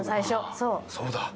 そうだ。